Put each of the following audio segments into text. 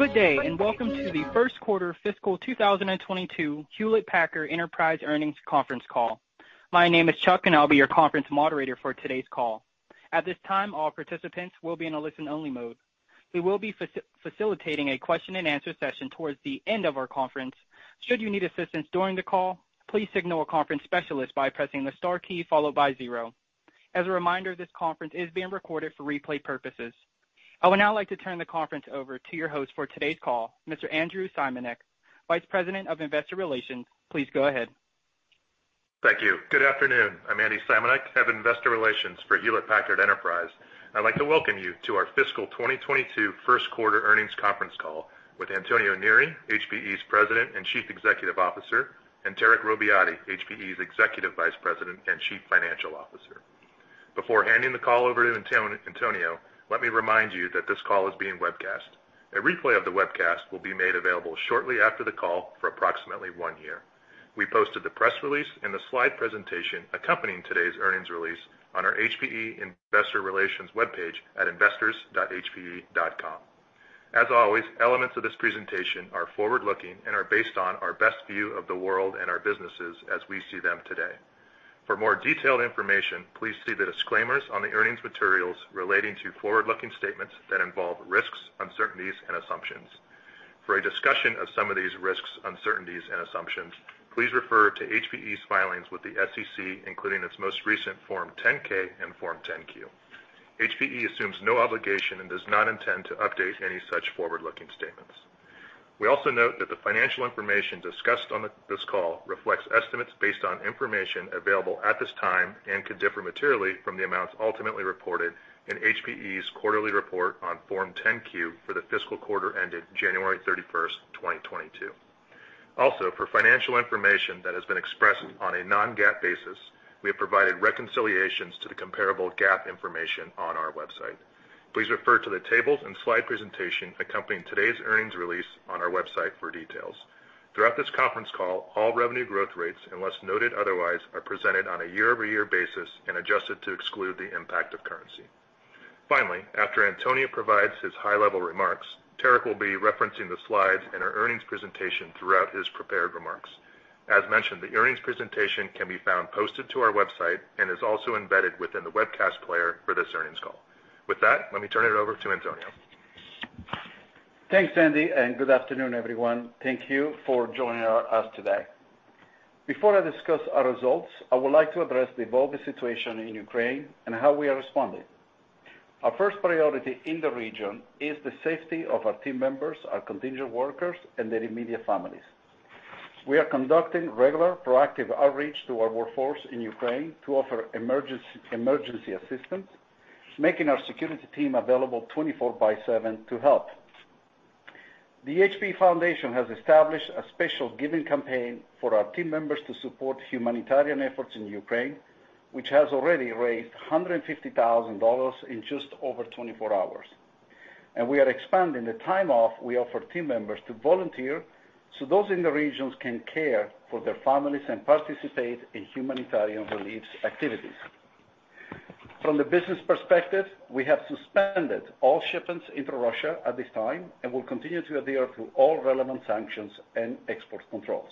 Good day, and welcome to the first quarter fiscal 2022 Hewlett Packard Enterprise earnings conference call. My name is Chuck, and I'll be your conference moderator for today's call. At this time, all participants will be in a listen-only mode. We will be facilitating a question-and-answer session towards the end of our conference. Should you need assistance during the call, please signal a conference specialist by pressing the star key followed by zero. As a reminder, this conference is being recorded for replay purposes. I would now like to turn the conference over to your host for today's call, Mr. Andrew Simanek, Vice President of Investor Relations. Please go ahead. Thank you. Good afternoon. I'm Andy Simanek, Head of Investor Relations for Hewlett Packard Enterprise. I'd like to welcome you to our fiscal 2022 first quarter earnings conference call with Antonio Neri, HPE's President and Chief Executive Officer, and Tarek Robbiati, HPE's Executive Vice President and Chief Financial Officer. Before handing the call over to Antonio, let me remind you that this call is being webcast. A replay of the webcast will be made available shortly after the call for approximately one year. We posted the press release and the slide presentation accompanying today's earnings release on our HPE investor relations webpage at investors.hpe.com. As always, elements of this presentation are forward-looking and are based on our best view of the world and our businesses as we see them today. For more detailed information, please see the disclaimers on the earnings materials relating to forward-looking statements that involve risks, uncertainties, and assumptions. For a discussion of some of these risks, uncertainties, and assumptions, please refer to HPE's filings with the SEC, including its most recent Form 10-K and Form 10-Q. HPE assumes no obligation and does not intend to update any such forward-looking statements. We also note that the financial information discussed on this call reflects estimates based on information available at this time and could differ materially from the amounts ultimately reported in HPE's quarterly report on Form 10-Q for the fiscal quarter ending January 31st, 2022. For financial information that has been expressed on a non-GAAP basis, we have provided reconciliations to the comparable GAAP information on our website. Please refer to the tables and slide presentation accompanying today's earnings release on our website for details. Throughout this conference call, all revenue growth rates, unless noted otherwise, are presented on a year-over-year basis and adjusted to exclude the impact of currency. Finally, after Antonio provides his high-level remarks, Tarek will be referencing the slides in our earnings presentation throughout his prepared remarks. As mentioned, the earnings presentation can be found posted to our website and is also embedded within the webcast player for this earnings call. With that, let me turn it over to Antonio. Thanks, Andy, and good afternoon, everyone. Thank you for joining us today. Before I discuss our results, I would like to address the evolving situation in Ukraine and how we are responding. Our first priority in the region is the safety of our team members, our contingent workers, and their immediate families. We are conducting regular proactive outreach to our workforce in Ukraine to offer emergency assistance, making our security team available 24/7 to help. The HPE Foundation has established a special giving campaign for our team members to support humanitarian efforts in Ukraine, which has already raised $150,000 in just over 24 hours. We are expanding the time off we offer team members to volunteer, so those in the regions can care for their families and participate in humanitarian relief activities. From the business perspective, we have suspended all shipments into Russia at this time and will continue to adhere to all relevant sanctions and export controls.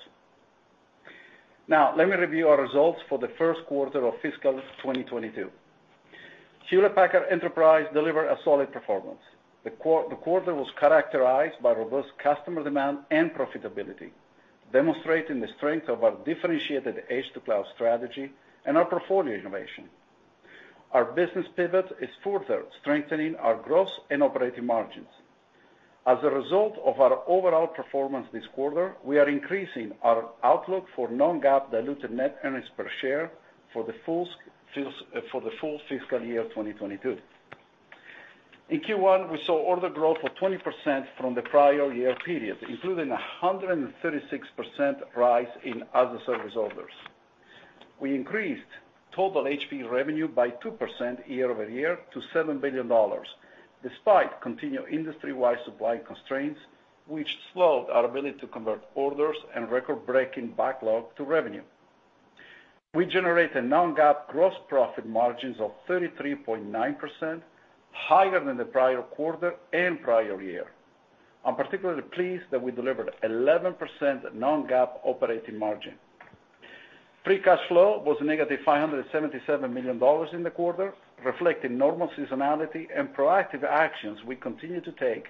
Now, let me review our results for the first quarter of fiscal 2022. Hewlett Packard Enterprise delivered a solid performance. The quarter was characterized by robust customer demand and profitability, demonstrating the strength of our differentiated edge-to-cloud strategy and our portfolio innovation. Our business pivot is further strengthening our gross and operating margins. As a result of our overall performance this quarter, we are increasing our outlook for non-GAAP diluted net earnings per share for the full fiscal year 2022. In Q1, we saw order growth of 20% from the prior year period, including a 136% rise in as-a-service orders. We increased total HPE revenue by 2% year-over-year to $7 billion, despite continued industry-wide supply constraints, which slowed our ability to convert orders and record-breaking backlog to revenue. We generated non-GAAP gross profit margins of 33.9%, higher than the prior quarter and prior year. I'm particularly pleased that we delivered 11% non-GAAP operating margin. Free cash flow was -$577 million in the quarter, reflecting normal seasonality and proactive actions we continue to take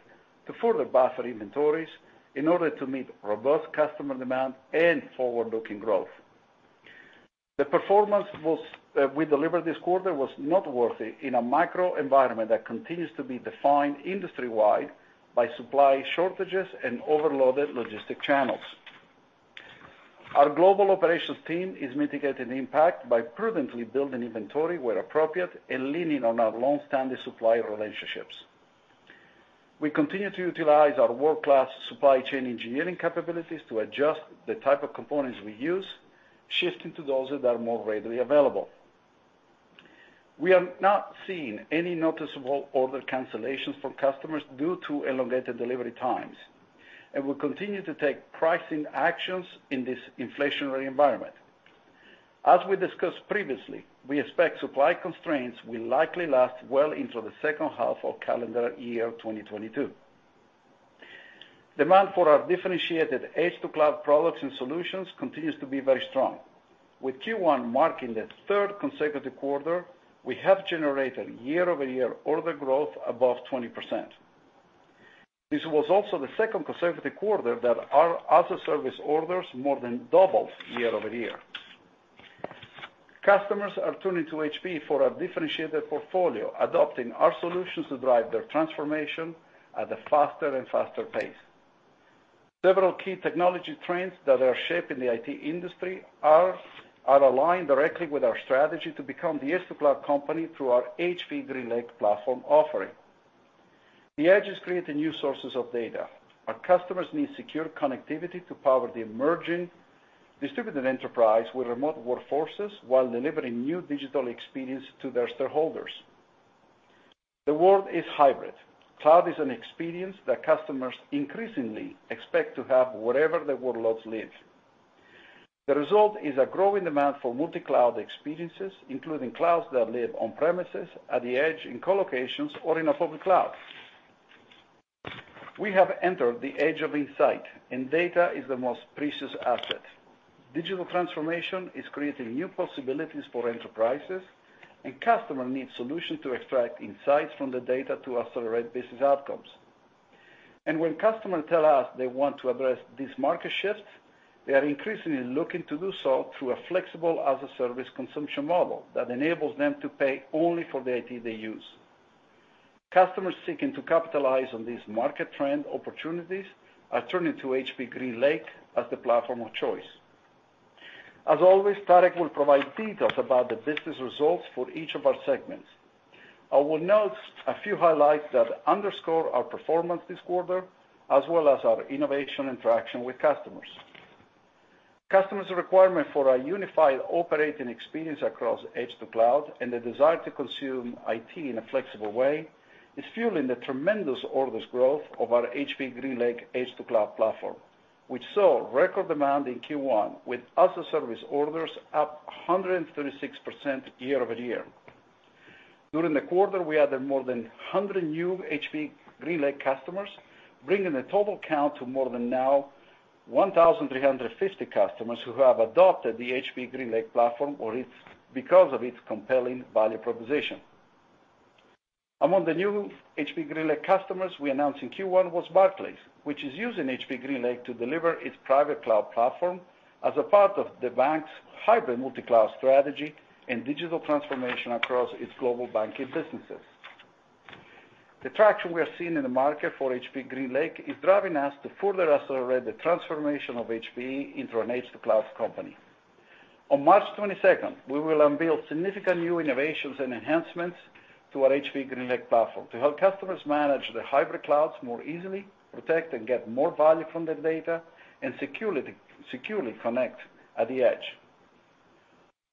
to further buffer inventories in order to meet robust customer demand and forward-looking growth. The performance we delivered this quarter was noteworthy in a macro environment that continues to be defined industry-wide by supply shortages and overloaded logistics channels. Our global operations team is mitigating the impact by prudently building inventory where appropriate and leaning on our long-standing supplier relationships. We continue to utilize our world-class supply chain engineering capabilities to adjust the type of components we use, shifting to those that are more readily available. We have not seen any noticeable order cancellations from customers due to elongated delivery times, and we continue to take pricing actions in this inflationary environment. As we discussed previously, we expect supply constraints will likely last well into the second half of calendar year 2022. Demand for our differentiated edge-to-cloud products and solutions continues to be very strong, with Q1 marking the third consecutive quarter we have generated year-over-year order growth above 20%. This was also the second consecutive quarter that our as-a-service orders more than doubled year-over-year. Customers are turning to HPE for our differentiated portfolio, adopting our solutions to drive their transformation at a faster and faster pace. Several key technology trends that are shaping the IT industry are aligned directly with our strategy to become the edge-to-cloud company through our HPE GreenLake platform offering. The edge is creating new sources of data. Our customers need secure connectivity to power the emerging distributed enterprise with remote workforces while delivering new digital experiences to their stakeholders. The world is hybrid. Cloud is an experience that customers increasingly expect to have wherever their workloads live. The result is a growing demand for multi-cloud experiences, including clouds that live on premises, at the edge, in co-locations, or in a public cloud. We have entered the age of insight, and data is the most precious asset. Digital transformation is creating new possibilities for enterprises, and customers need solutions to extract insights from the data to accelerate business outcomes. When customers tell us they want to address these market shifts, they are increasingly looking to do so through a flexible as-a-service consumption model that enables them to pay only for the IT they use. Customers seeking to capitalize on these market trend opportunities are turning to HPE GreenLake as the platform of choice. As always, Tarek will provide details about the business results for each of our segments. I will note a few highlights that underscore our performance this quarter, as well as our innovation interaction with customers. Customers' requirement for a unified operating experience across edge to cloud and the desire to consume IT in a flexible way is fueling the tremendous orders growth of our HPE GreenLake edge-to-cloud platform, which saw record demand in Q1, with as-a-service orders up 136% year-over-year. During the quarter, we added more than 100 new HPE GreenLake customers, bringing the total count to now more than 1,350 customers who have adopted the HPE GreenLake platform because of its compelling value proposition. Among the new HPE GreenLake customers we announced in Q1 was Barclays, which is using HPE GreenLake to deliver its private cloud platform as a part of the bank's hybrid multi-cloud strategy and digital transformation across its global banking businesses. The traction we are seeing in the market for HPE GreenLake is driving us to further accelerate the transformation of HPE into an edge-to-cloud company. On March 22nd, we will unveil significant new innovations and enhancements to our HPE GreenLake platform to help customers manage their hybrid clouds more easily, protect and get more value from their data, and securely connect at the edge.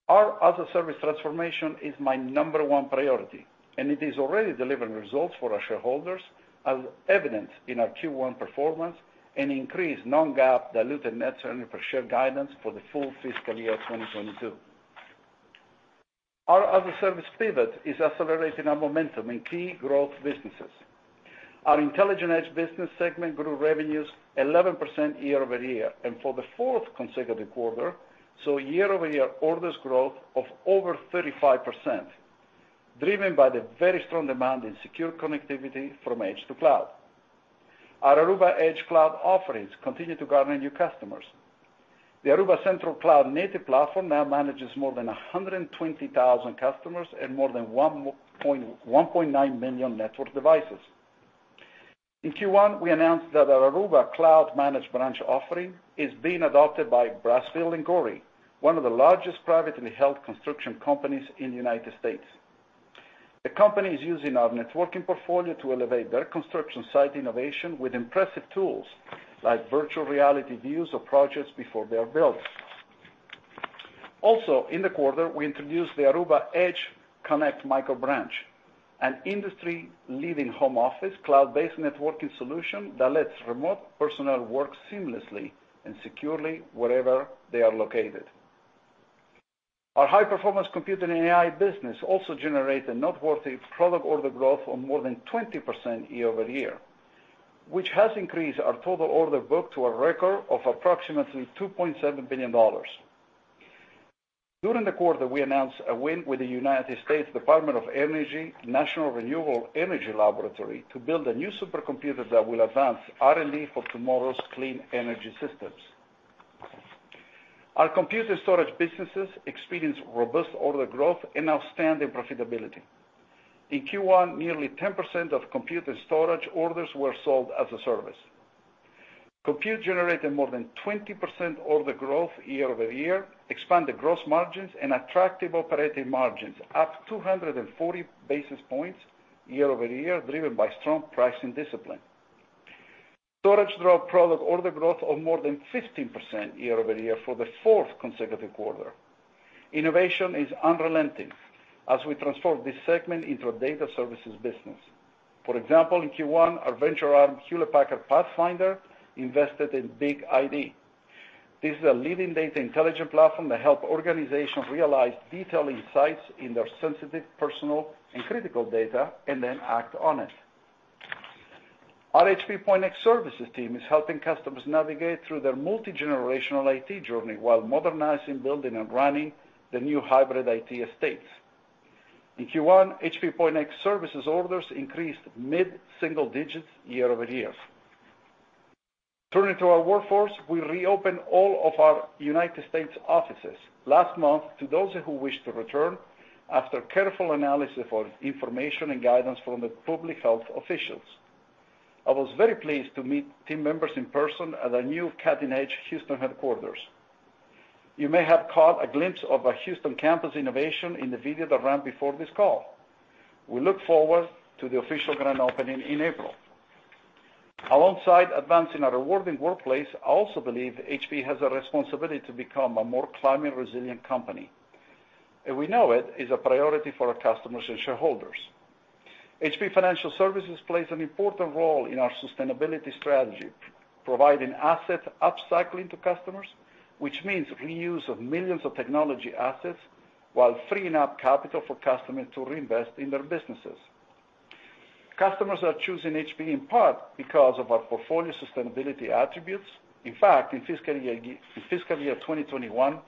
Our as-a-service transformation is my number one priority, and it is already delivering results for our shareholders, as evident in our Q1 performance and increased non-GAAP diluted net earnings per share guidance for the full fiscal year 2022. Our as-a-service pivot is accelerating our momentum in key growth businesses. Our Intelligent Edge business segment grew revenues 11% year-over-year, and for the fourth consecutive quarter, saw year-over-year orders growth of over 35%, driven by the very strong demand in secure connectivity from edge to cloud. Our Aruba edge cloud offerings continue to garner new customers. The Aruba Central cloud-native platform now manages more than 120,000 customers and more than 1.9 million network devices. In Q1, we announced that our Aruba Cloud Managed Branch offering is being adopted by Brasfield & Gorrie, one of the largest privately held construction companies in the United States. The company is using our networking portfolio to elevate their construction site innovation with impressive tools like virtual reality views of projects before they are built. Also, in the quarter, we introduced the Aruba EdgeConnect Microbranch, an industry-leading home office cloud-based networking solution that lets remote personnel work seamlessly and securely wherever they are located. Our high-performance computing and AI business also generated noteworthy product order growth of more than 20% year-over-year, which has increased our total order book to a record of approximately $2.7 billion. During the quarter, we announced a win with the United States Department of Energy National Renewable Energy Laboratory to build a new supercomputer that will advance R&D for tomorrow's clean energy systems. Our computer storage businesses experienced robust order growth and outstanding profitability. In Q1, nearly 10% of compute and storage orders were sold as a service. Compute generated more than 20% order growth year-over-year, expanded gross margins and attractive operating margins, up 240 basis points year-over-year, driven by strong pricing discipline. Storage drove product order growth of more than 15% year-over-year for the fourth consecutive quarter. Innovation is unrelenting as we transform this segment into a data services business. For example, in Q1, our venture arm, Hewlett Packard Pathfinder, invested in BigID. This is a leading data intelligence platform that helps organizations realize detailed insights in their sensitive, personal, and critical data, and then act on it. Our HPE Pointnext Services team is helping customers navigate through their multi-generational IT journey while modernizing, building, and running the new hybrid IT estates. In Q1, HPE Pointnext Services orders increased mid-single digits year-over-year. Turning to our workforce, we reopened all of our United States offices last month to those who wish to return after careful analysis of information and guidance from the public health officials. I was very pleased to meet team members in person at our new cutting-edge Houston headquarters. You may have caught a glimpse of our Houston campus innovation in the video that ran before this call. We look forward to the official grand opening in April. Alongside advancing our rewarding workplace, I also believe HPE has a responsibility to become a more climate-resilient company. We know it is a priority for our customers and shareholders. HPE Financial Services plays an important role in our sustainability strategy, providing asset upcycling to customers, which means reuse of millions of technology assets while freeing up capital for customers to reinvest in their businesses. Customers are choosing HPE in part because of our portfolio sustainability attributes. In fact, in fiscal year 2021,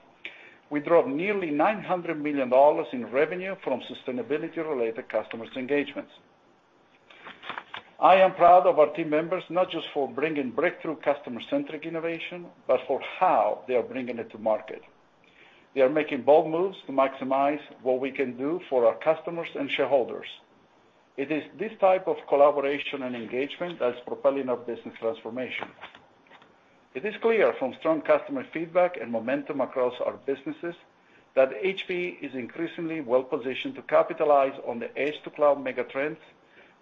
we drove nearly $900 million in revenue from sustainability-related customers engagements. I am proud of our team members, not just for bringing breakthrough customer-centric innovation, but for how they are bringing it to market. They are making bold moves to maximize what we can do for our customers and shareholders. It is this type of collaboration and engagement that's propelling our business transformation. It is clear from strong customer feedback and momentum across our businesses that HPE is increasingly well-positioned to capitalize on the edge-to-cloud mega trends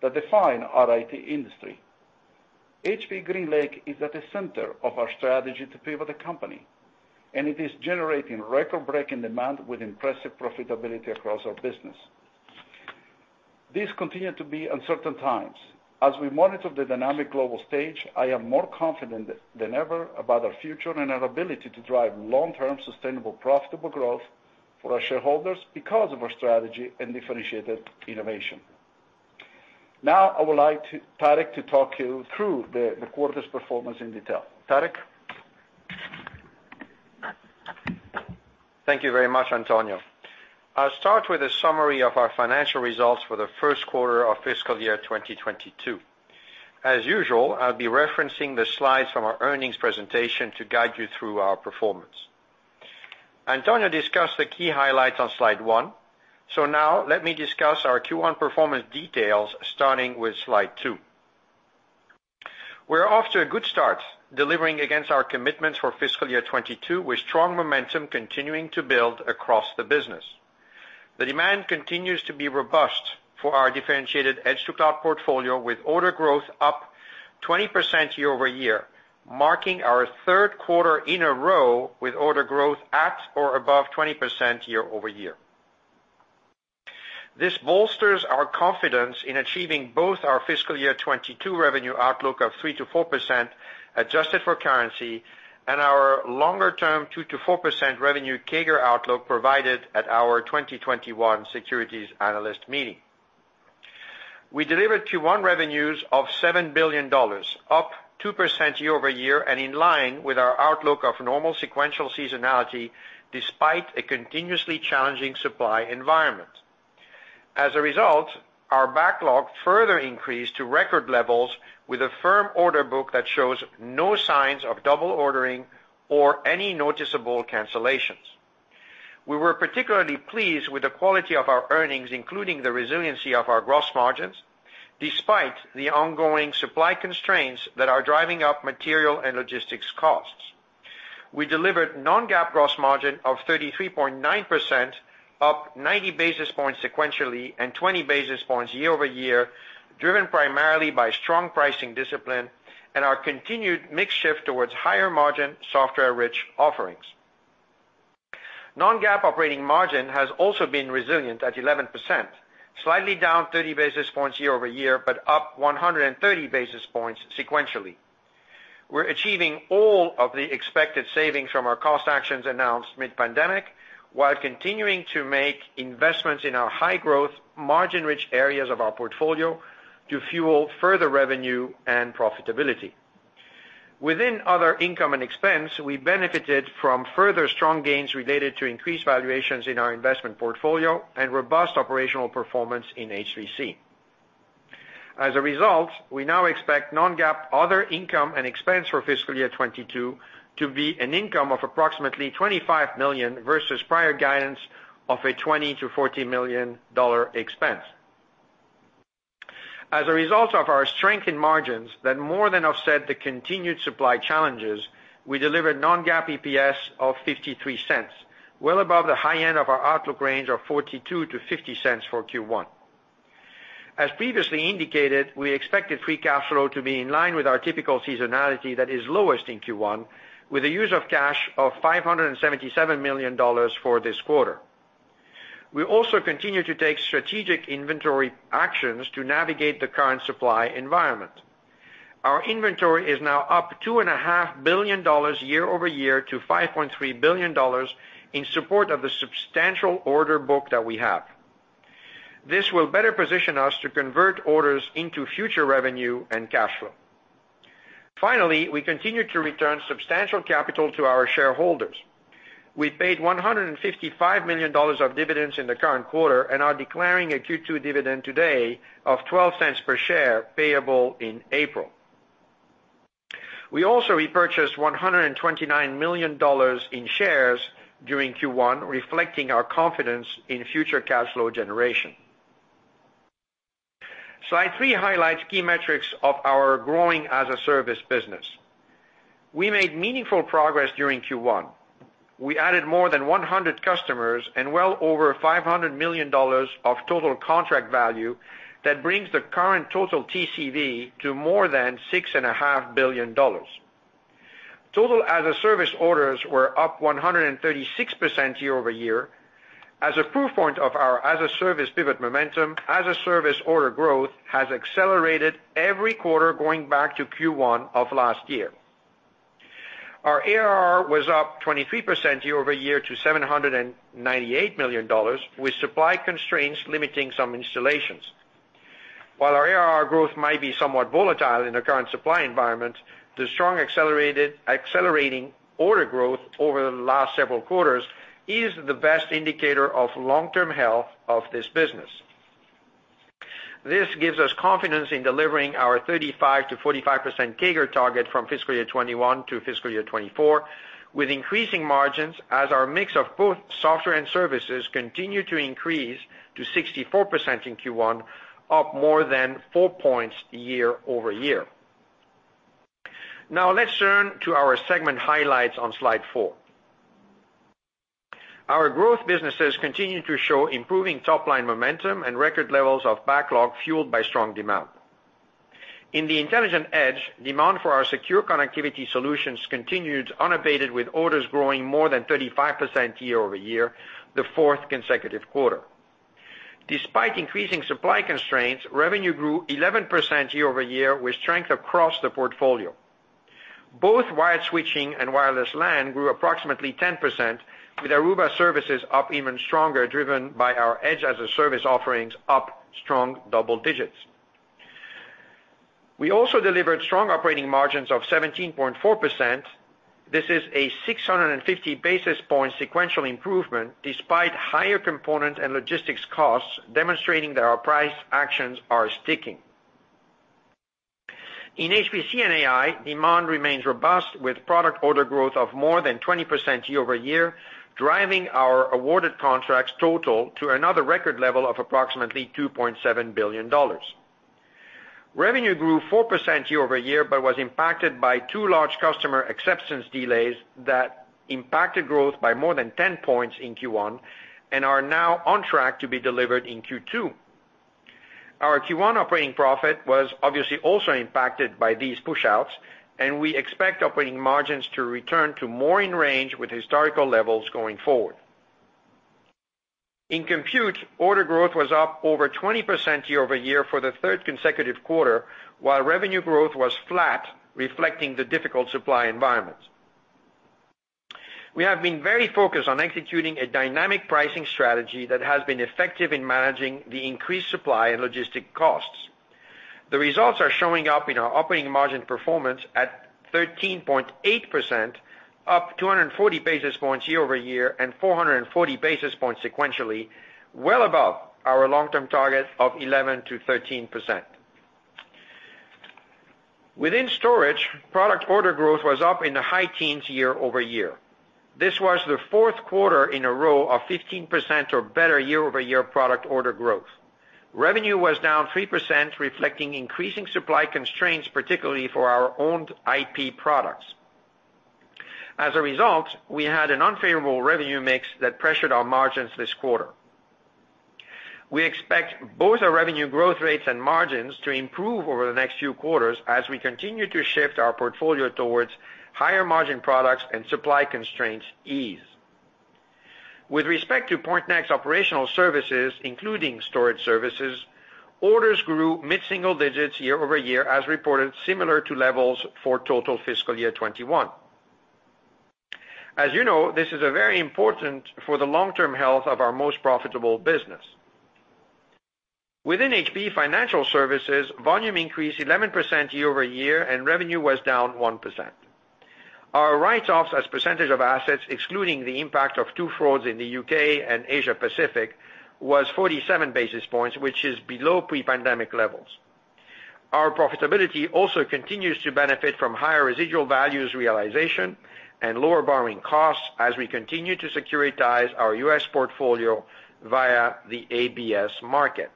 that define our IT industry. HPE GreenLake is at the center of our strategy to pivot the company, and it is generating record-breaking demand with impressive profitability across our business. These continue to be uncertain times. As we monitor the dynamic global stage, I am more confident than ever about our future and our ability to drive long-term sustainable, profitable growth for our shareholders because of our strategy and differentiated innovation. Now, I would like Tarek to walk you through the quarter's performance in detail. Tarek? Thank you very much, Antonio. I'll start with a summary of our financial results for the first quarter of fiscal year 2022. As usual, I'll be referencing the slides from our earnings presentation to guide you through our performance. Antonio discussed the key highlights on slide one, so now let me discuss our Q1 performance details starting with slide two. We're off to a good start delivering against our commitments for fiscal year 2022 with strong momentum continuing to build across the business. The demand continues to be robust for our differentiated edge-to-cloud portfolio with order growth up 20% year-over-year, marking our third quarter in a row with order growth at or above 20% year-over-year. This bolsters our confidence in achieving both our fiscal year 2022 revenue outlook of 3%-4% adjusted for currency and our longer-term 2%-4% revenue CAGR outlook provided at our 2021 Securities Analyst Meeting. We delivered Q1 revenues of $7 billion, up 2% year-over-year and in line with our outlook of normal sequential seasonality despite a continuously challenging supply environment. As a result, our backlog further increased to record levels with a firm order book that shows no signs of double ordering or any noticeable cancellations. We were particularly pleased with the quality of our earnings, including the resiliency of our gross margins, despite the ongoing supply constraints that are driving up material and logistics costs. We delivered non-GAAP gross margin of 33.9%, up 90 basis points sequentially and 20 basis points year-over-year, driven primarily by strong pricing discipline and our continued mix shift towards higher margin software-rich offerings. Non-GAAP operating margin has also been resilient at 11%, slightly down 30 basis points year-over-year, but up 130 basis points sequentially. We're achieving all of the expected savings from our cost actions announced mid-pandemic while continuing to make investments in our high growth, margin-rich areas of our portfolio to fuel further revenue and profitability. Within other income and expense, we benefited from further strong gains related to increased valuations in our investment portfolio and robust operational performance in H3C. As a result, we now expect non-GAAP other income and expense for fiscal year 2022 to be an income of approximately $25 million versus prior guidance of a $20 million-$40 million expense. As a result of our strength in margins that more than offset the continued supply challenges, we delivered non-GAAP EPS of $0.53, well above the high end of our outlook range of $0.42-$0.50 for Q1. As previously indicated, we expected free cash flow to be in line with our typical seasonality that is lowest in Q1, with the use of cash of $577 million for this quarter. We also continue to take strategic inventory actions to navigate the current supply environment. Our inventory is now up $2.5 billion year-over-year to $5.3 billion in support of the substantial order book that we have. This will better position us to convert orders into future revenue and cash flow. Finally, we continue to return substantial capital to our shareholders. We paid $155 million of dividends in the current quarter and are declaring a Q2 dividend today of $0.12 per share payable in April. We also repurchased $129 million in shares during Q1, reflecting our confidence in future cash flow generation. Slide three highlights key metrics of our growing as-a-service business. We made meaningful progress during Q1. We added more than 100 customers and well over $500 million of total contract value that brings the current total TCV to more than $6.5 billion. Total as-a-service orders were up 136% year-over-year. As a proof point of our as-a-service pivot momentum, as-a-service order growth has accelerated every quarter going back to Q1 of last year. Our ARR was up 23% year-over-year to $798 million, with supply constraints limiting some installations. While our ARR growth might be somewhat volatile in the current supply environment, the strong accelerating order growth over the last several quarters is the best indicator of long-term health of this business. This gives us confidence in delivering our 35%-45% CAGR target from fiscal year 2021 to fiscal year 2024, with increasing margins as our mix of both software and services continue to increase to 64% in Q1, up more than four points year-over-year. Now let's turn to our segment highlights on slide four. Our growth businesses continue to show improving top-line momentum and record levels of backlog fueled by strong demand. In the Intelligent Edge, demand for our secure connectivity solutions continued unabated, with orders growing more than 35% year-over-year, the fourth consecutive quarter. Despite increasing supply constraints, revenue grew 11% year-over-year with strength across the portfolio. Both wired switching and wireless LAN grew approximately 10% with Aruba services up even stronger, driven by our Edge as-a-Service offerings up strong double digits. We also delivered strong operating margins of 17.4%. This is a 650 basis point sequential improvement despite higher component and logistics costs, demonstrating that our price actions are sticking. In HPC and AI, demand remains robust with product order growth of more than 20% year-over-year, driving our awarded contracts total to another record level of approximately $2.7 billion. Revenue grew 4% year-over-year, but was impacted by two large customer acceptance delays that impacted growth by more than 10 points in Q1 and are now on track to be delivered in Q2. Our Q1 operating profit was obviously also impacted by these pushouts, and we expect operating margins to return to more in range with historical levels going forward. In Compute, order growth was up over 20% year-over-year for the third consecutive quarter, while revenue growth was flat, reflecting the difficult supply environment. We have been very focused on executing a dynamic pricing strategy that has been effective in managing the increased supply and logistic costs. The results are showing up in our operating margin performance at 13.8%, up 240 basis points year-over-year and 440 basis points sequentially, well above our long-term target of 11%-13%. Within Storage, product order growth was up in the high teens year-over-year. This was the fourth quarter in a row of 15% or better year-over-year product order growth. Revenue was down 3%, reflecting increasing supply constraints, particularly for our owned IP products. As a result, we had an unfavorable revenue mix that pressured our margins this quarter. We expect both our revenue growth rates and margins to improve over the next few quarters as we continue to shift our portfolio towards higher margin products and supply constraints ease. With respect to Pointnext operational services, including storage services, orders grew mid-single digits year-over-year as reported similar to levels for total fiscal year 2021. As you know, this is a very important for the long-term health of our most profitable business. Within HPE Financial Services, volume increased 11% year-over-year and revenue was down 1%. Our write-offs as percentage of assets, excluding the impact of two frauds in the U.K. and Asia-Pacific, was 47 basis points, which is below pre-pandemic levels. Our profitability also continues to benefit from higher residual values realization and lower borrowing costs as we continue to securitize our U.S. portfolio via the ABS market.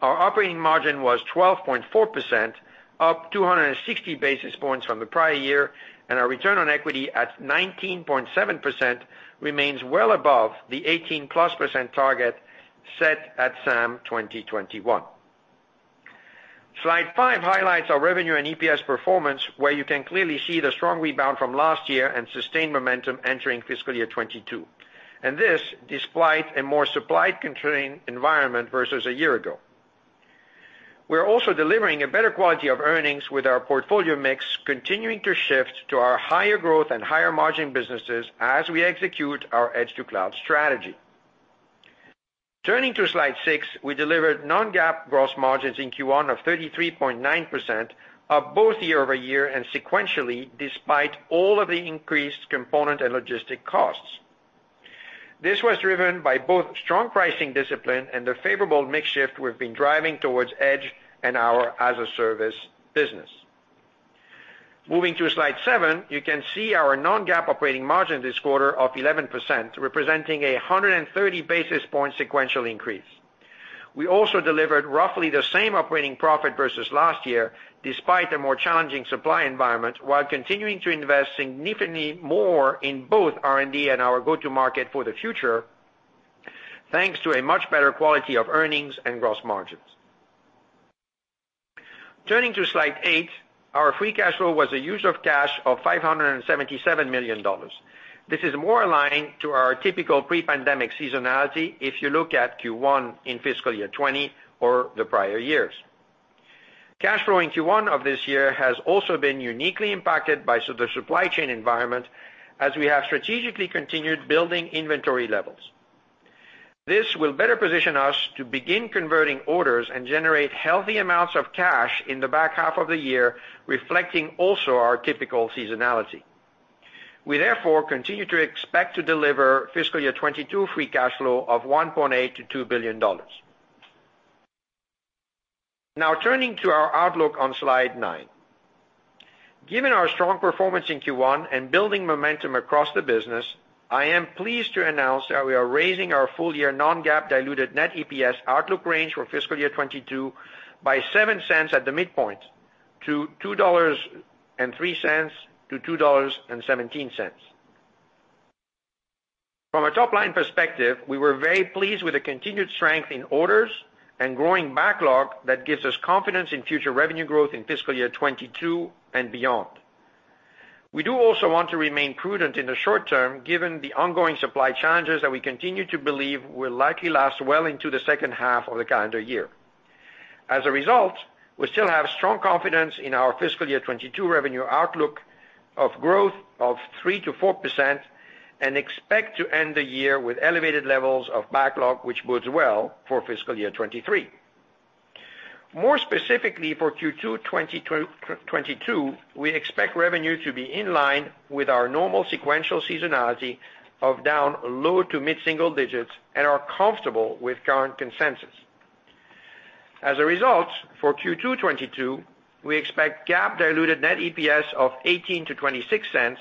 Our operating margin was 12.4%, up 260 basis points from the prior year, and our return on equity at 19.7% remains well above the 18%+ target set at SAM 2021. Slide five highlights our revenue and EPS performance, where you can clearly see the strong rebound from last year and sustained momentum entering fiscal year 2022, and this despite a more supply-constrained environment versus a year ago. We're also delivering a better quality of earnings with our portfolio mix continuing to shift to our higher growth and higher margin businesses as we execute our edge-to-cloud strategy. Turning to slide six, we delivered non-GAAP gross margins in Q1 of 33.9%, up both year-over-year and sequentially, despite all of the increased component and logistic costs. This was driven by both strong pricing discipline and the favorable mix shift we've been driving towards edge and our as-a-service business. Moving to slide seven, you can see our non-GAAP operating margin this quarter of 11%, representing a 130 basis point sequential increase. We also delivered roughly the same operating profit versus last year, despite a more challenging supply environment, while continuing to invest significantly more in both R&D and our go-to-market for the future, thanks to a much better quality of earnings and gross margins. Turning to slide eight, our free cash flow was a use of cash of $577 million. This is more aligned to our typical pre-pandemic seasonality if you look at Q1 in fiscal year 2020 or the prior years. Cash flow in Q1 of this year has also been uniquely impacted by the supply chain environment as we have strategically continued building inventory levels. This will better position us to begin converting orders and generate healthy amounts of cash in the back half of the year, reflecting also our typical seasonality. We therefore continue to expect to deliver fiscal year 2022 free cash flow of $1.8 billion-$2 billion. Now turning to our outlook on slide nine. Given our strong performance in Q1 and building momentum across the business, I am pleased to announce that we are raising our full year non-GAAP diluted net EPS outlook range for fiscal year 2022 by $0.7 At the midpoint to $2.03-$2.17. From a top-line perspective, we were very pleased with the continued strength in orders and growing backlog that gives us confidence in future revenue growth in fiscal year 2022 and beyond. We do also want to remain prudent in the short term, given the ongoing supply challenges that we continue to believe will likely last well into the second half of the calendar year. As a result, we still have strong confidence in our fiscal year 2022 revenue outlook of growth of 3%-4% and expect to end the year with elevated levels of backlog, which bodes well for fiscal year 2023. More specifically, for Q2 2022, we expect revenue to be in line with our normal sequential seasonality of down low- to mid-single digits and are comfortable with current consensus. As a result, for Q2 2022, we expect GAAP diluted net EPS of $0.18-$0.26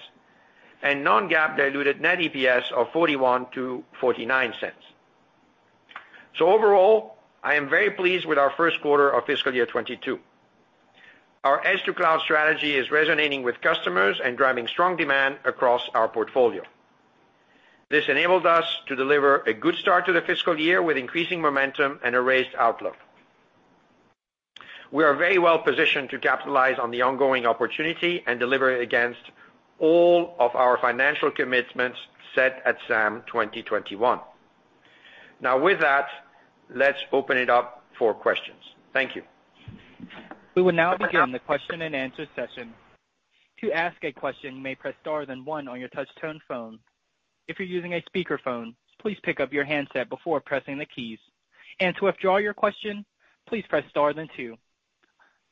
and non-GAAP diluted net EPS of $0.41-$0.49. Overall, I am very pleased with our first quarter of fiscal year 2022. Our edge-to-cloud strategy is resonating with customers and driving strong demand across our portfolio. This enabled us to deliver a good start to the fiscal year with increasing momentum and a raised outlook. We are very well positioned to capitalize on the ongoing opportunity and deliver against all of our financial commitments set at SAM 2021. Now with that, let's open it up for questions. Thank you. We will now begin the question-and-answer session. To ask a question, you may press star then one on your touch tone phone. If you're using a speakerphone, please pick up your handset before pressing the keys. To withdraw your question, please press star then two.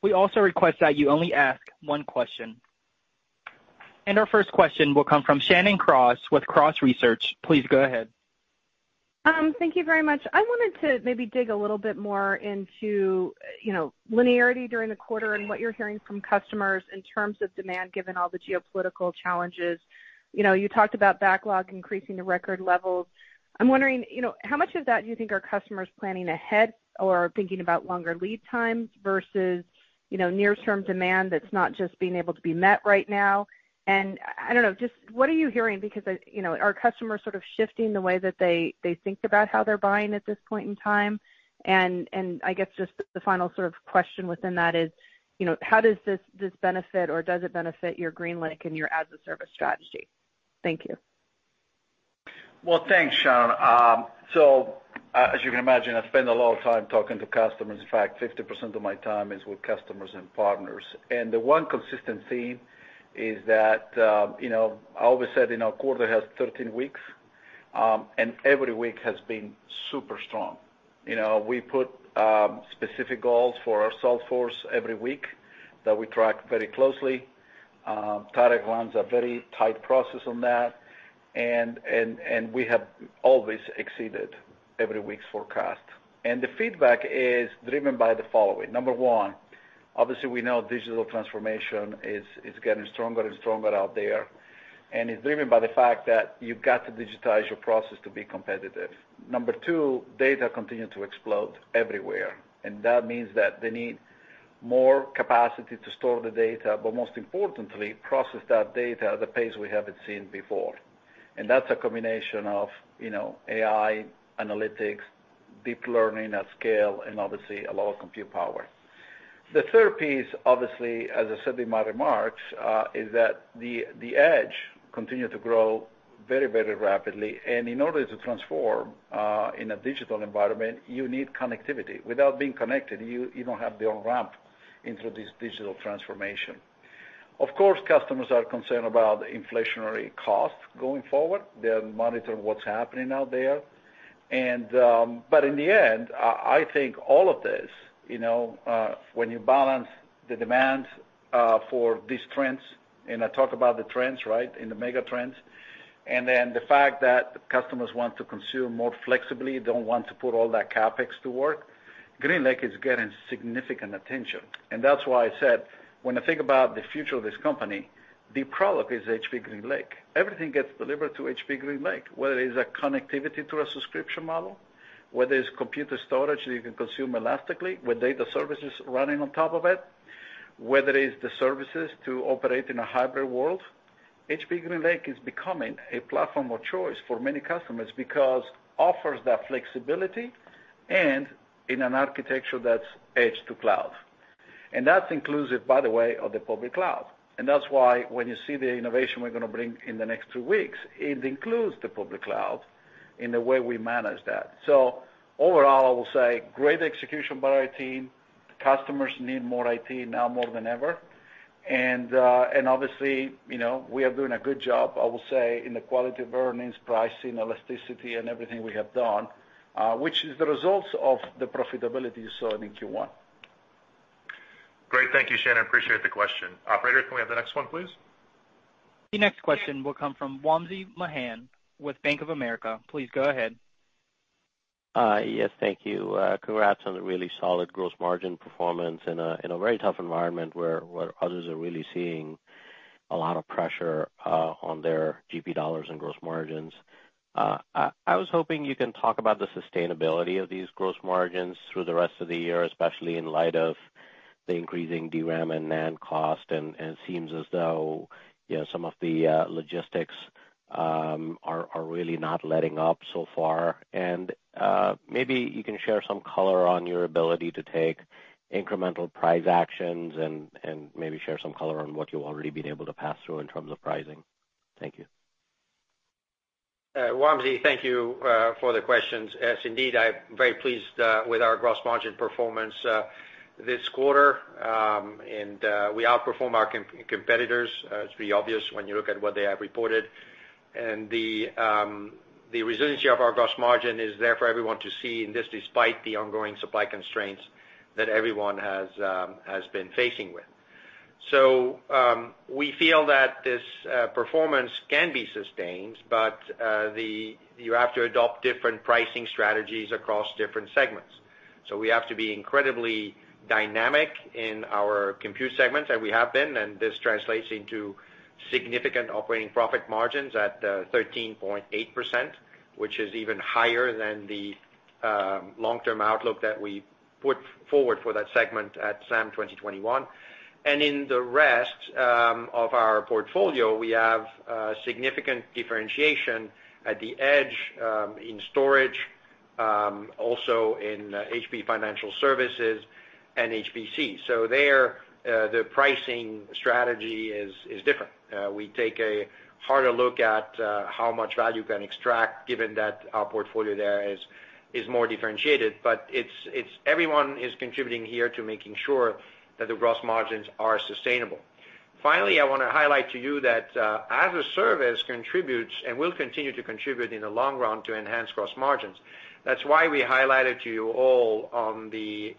We also request that you only ask one question. Our first question will come from Shannon Cross with Cross Research. Please go ahead. Thank you very much. I wanted to maybe dig a little bit more into, you know, linearity during the quarter and what you're hearing from customers in terms of demand, given all the geopolitical challenges. You know, you talked about backlog increasing to record levels. I'm wondering, you know, how much of that do you think are customers planning ahead or thinking about longer lead times versus, you know, near-term demand that's not just being able to be met right now? And I don't know, just what are you hearing? Because, you know, are customers sort of shifting the way that they think about how they're buying at this point in time? And I guess just the final sort of question within that is, you know, how does this benefit or does it benefit your GreenLake and your as-a-service strategy? Thank you. Well, thanks, Shannon. So as you can imagine, I spend a lot of time talking to customers. In fact, 50% of my time is with customers and partners. The one consistent theme is that, you know, I always say our quarter has 13 weeks, and every week has been super strong. You know, we put specific goals for our sales force every week that we track very closely. Tarek runs a very tight process on that. We have always exceeded every week's forecast. The feedback is driven by the following. Number one, obviously, we know digital transformation is getting stronger and stronger out there, and it's driven by the fact that you've got to digitize your process to be competitive. Number two, data continues to explode everywhere, and that means that they need more capacity to store the data, but most importantly, process that data at the pace we haven't seen before. That's a combination of, you know, AI, analytics, deep learning at scale, and obviously, a lot of compute power. The third piece, obviously, as I said in my remarks, is that the edge continues to grow very, very rapidly. In order to transform in a digital environment, you need connectivity. Without being connected, you don't have the on-ramp into this digital transformation. Of course, customers are concerned about inflationary costs going forward. They're monitoring what's happening out there. I think all of this, you know, when you balance the demand for these trends, and I talk about the trends, right, and the mega trends, and then the fact that customers want to consume more flexibly, don't want to put all that CapEx to work, HPE GreenLake is getting significant attention. That's why I said, when I think about the future of this company, the product is HPE GreenLake. Everything gets delivered through HPE GreenLake, whether it is a connectivity through a subscription model, whether it's computer storage that you can consume elastically with data services running on top of it, whether it is the services to operate in a hybrid world. HPE GreenLake is becoming a platform of choice for many customers because offers that flexibility and in an architecture that's edge to cloud. That's inclusive, by the way, of the public cloud. That's why when you see the innovation we're gonna bring in the next two weeks, it includes the public cloud in the way we manage that. Overall, I will say great execution by our team. Customers need more IT now more than ever. Obviously, you know, we are doing a good job, I will say, in the quality of earnings, pricing, elasticity, and everything we have done, which is the results of the profitability you saw in Q1. Great. Thank you, Shannon. I appreciate the question. Operator, can we have the next one, please? The next question will come from Wamsi Mohan with Bank of America. Please go ahead. Yes, thank you. Congrats on the really solid gross margin performance in a very tough environment where others are really seeing a lot of pressure on their GP dollars and gross margins. I was hoping you can talk about the sustainability of these gross margins through the rest of the year, especially in light of the increasing DRAM and NAND cost, and it seems as though, you know, some of the logistics are really not letting up so far. Maybe you can share some color on your ability to take incremental price actions and maybe share some color on what you've already been able to pass through in terms of pricing. Thank you. Wamsi, thank you for the questions. Yes, indeed, I'm very pleased with our gross margin performance this quarter. We outperform our competitors. It's pretty obvious when you look at what they have reported. The resiliency of our gross margin is there for everyone to see. This despite the ongoing supply constraints that everyone has been facing with. We feel that this performance can be sustained, but you have to adopt different pricing strategies across different segments. We have to be incredibly dynamic in our compute segments, and we have been, and this translates into significant operating profit margins at 13.8%, which is even higher than the long-term outlook that we put forward for that segment at SAM 2021. In the rest of our portfolio, we have significant differentiation at the edge, in storage, also in HPE Financial Services and HPC. There, the pricing strategy is different. We take a harder look at how much value we can extract given that our portfolio there is more differentiated. It's everyone is contributing here to making sure that the gross margins are sustainable. Finally, I wanna highlight to you that as-a-service contributes and will continue to contribute in the long run to enhance gross margins. That's why we highlighted to you all in the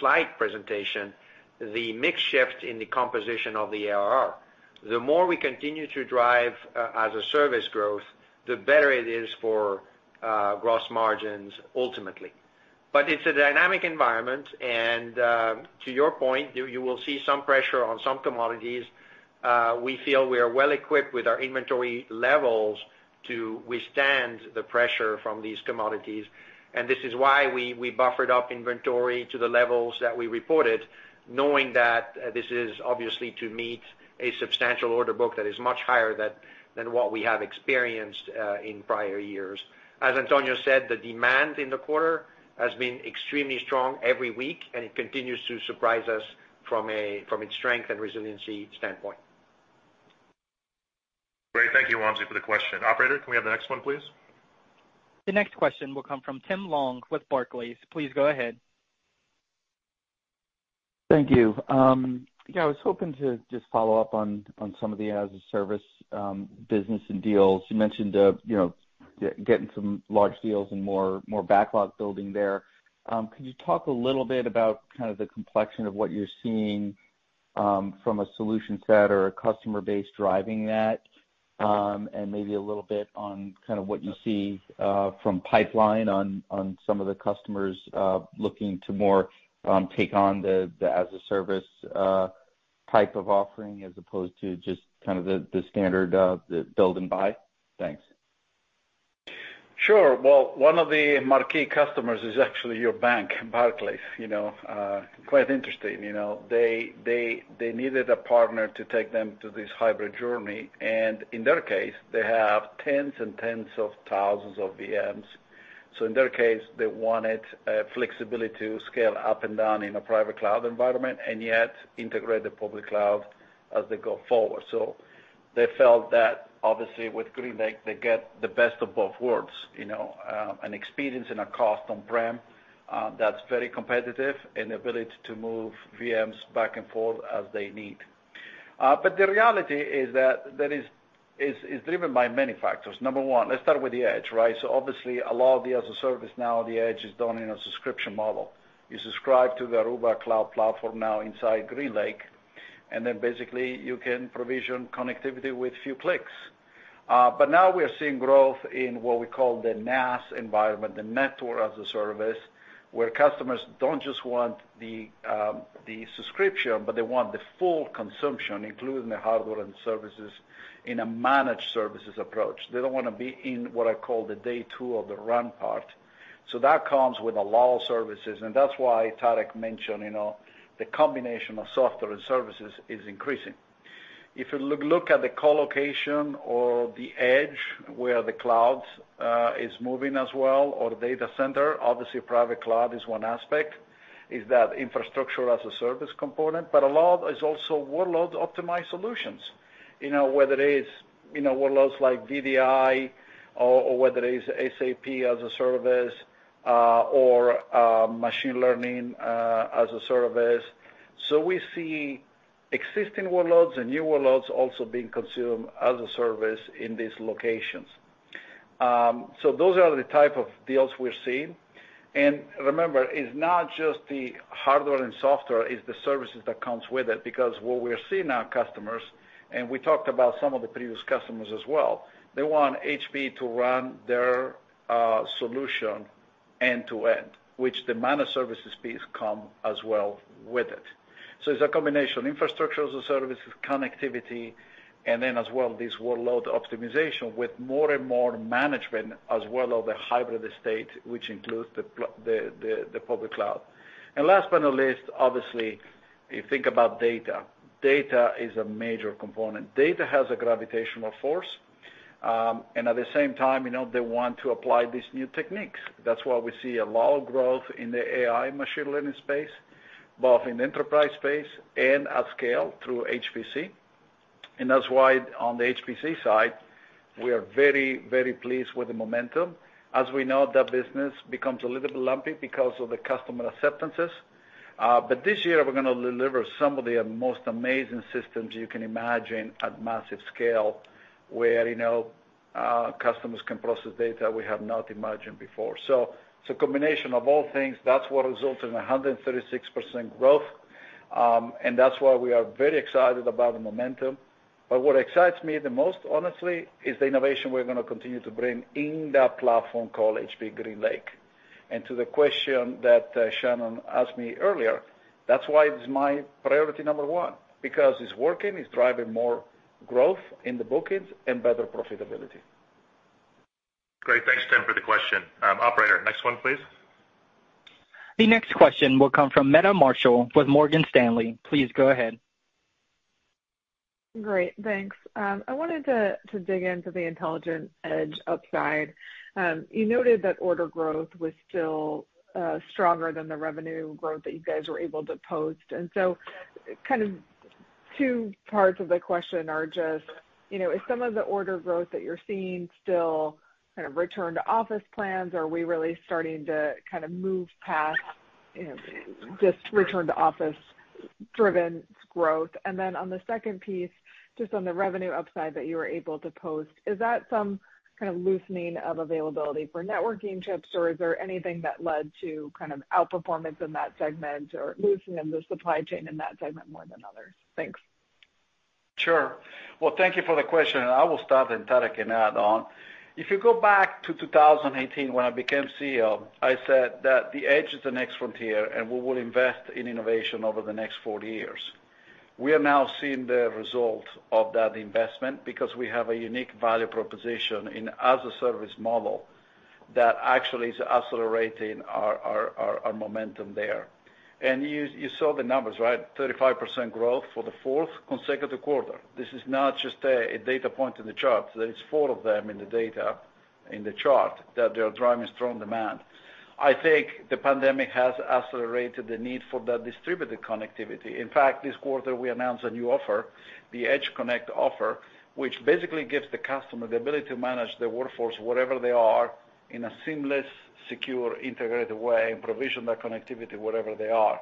slide presentation, the mix shift in the composition of the ARR. The more we continue to drive as-a-service growth, the better it is for gross margins ultimately. It's a dynamic environment, and to your point, you will see some pressure on some commodities. We feel we are well equipped with our inventory levels to withstand the pressure from these commodities. This is why we buffered up inventory to the levels that we reported, knowing that this is obviously to meet a substantial order book that is much higher than what we have experienced in prior years. As Antonio said, the demand in the quarter has been extremely strong every week, and it continues to surprise us from its strength and resiliency standpoint. Great. Thank you, Wamsi, for the question. Operator, can we have the next one, please? The next question will come from Tim Long with Barclays. Please go ahead. Thank you. Yeah, I was hoping to just follow up on some of the as-a-service business and deals. You mentioned, you know, getting some large deals and more backlog building there. Could you talk a little bit about kind of the complexion of what you're seeing from a solution set or a customer base driving that? And maybe a little bit on kind of what you see from pipeline on some of the customers looking to more take on the as-a-service type of offering as opposed to just kind of the standard the build and buy? Thanks. Sure. Well, one of the marquee customers is actually your bank, Barclays, you know, quite interesting. You know, they needed a partner to take them to this hybrid journey, and in their case, they have tens and tens of thousands of VMs. In their case, they wanted flexibility to scale up and down in a private cloud environment and yet integrate the public cloud as they go forward. They felt that obviously with GreenLake, they get the best of both worlds, you know, an experience and a cost on-prem that's very competitive and the ability to move VMs back and forth as they need. The reality is that it is driven by many factors. Number one, let's start with the edge, right? Obviously a lot of the as-a-service now at the edge is done in a subscription model. You subscribe to the Aruba Central now inside GreenLake, and then basically you can provision connectivity with few clicks. But now we are seeing growth in what we call the NaaS environment, the network as a service, where customers don't just want the subscription, but they want the full consumption, including the hardware and services in a managed services approach. They don't wanna be in what I call the day two of the run part. That comes with a lot of services, and that's why Tarek mentioned, you know, the combination of software and services is increasing. If you look at the co-location or the edge where the clouds is moving as well, or data center, obviously private cloud is one aspect, is that infrastructure as a service component. But a lot is also workload optimized solutions. You know, whether it is, you know, workloads like VDI or whether it is SAP as a service, or machine learning as a service. So we see existing workloads and new workloads also being consumed as a service in these locations. Those are the type of deals we're seeing. Remember, it's not just the hardware and software, it's the services that comes with it. Because what we are seeing our customers, and we talked about some of the previous customers as well, they want HPE to run their solution end to end, which the managed services piece come as well with it. It's a combination, infrastructure as a service, connectivity, and then as well, this workload optimization with more and more management as well of the hybrid estate, which includes the public cloud. Last but not least, obviously, you think about data. Data is a major component. Data has a gravitational force. At the same time, you know, they want to apply these new techniques. That's why we see a lot of growth in the AI machine learning space, both in enterprise space and at scale through HPC. That's why on the HPC side, we are very, very pleased with the momentum. As we know, that business becomes a little bit lumpy because of the customer acceptances. This year, we're gonna deliver some of the most amazing systems you can imagine at massive scale where, you know, customers can process data we have not imagined before. It's a combination of all things. That's what results in 136% growth. That's why we are very excited about the momentum. What excites me the most honestly is the innovation we're gonna continue to bring in that platform called HPE GreenLake. To the question that Shannon asked me earlier, that's why it is my priority number one, because it's working, it's driving more growth in the bookings and better profitability. Great. Thanks, Tim, for the question. Operator, next one please. The next question will come from Meta Marshall with Morgan Stanley. Please go ahead. Great, thanks. I wanted to dig into the Intelligent Edge upside. You noted that order growth was still stronger than the revenue growth that you guys were able to post. Kind of two parts of the question are just, you know, is some of the order growth that you're seeing still kind of return to office plans? Are we really starting to kind of move past, you know, just return to office-driven growth? On the second piece, just on the revenue upside that you were able to post, is that some kind of loosening of availability for networking chips, or is there anything that led to kind of outperformance in that segment or loosening of the supply chain in that segment more than others? Thanks. Sure. Well, thank you for the question, and I will start, and Tarek can add on. If you go back to 2018 when I became CEO, I said that the edge is the next frontier, and we will invest in innovation over the next 40 years. We are now seeing the results of that investment because we have a unique value proposition in as-a-service model that actually is accelerating our momentum there. You saw the numbers, right? 35% growth for the fourth consecutive quarter. This is not just a data point in the chart. There is four of them in the data in the chart that they are driving strong demand. I think the pandemic has accelerated the need for that distributed connectivity. In fact, this quarter we announced a new offer, the EdgeConnect offer, which basically gives the customer the ability to manage their workforce wherever they are in a seamless, secure, integrated way and provision that connectivity wherever they are.